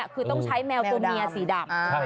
คือต้องใช้แมวตัวเมียสีดำ